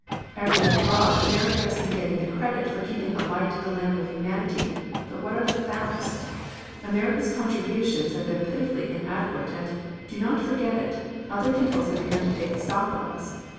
Everywhere abroad America has been getting the credit for keeping alight the lamp of humanity, but what are the facts? America's contributions have been pitifully inadequate and, do not forget it, other peoples have begun to take stock of us.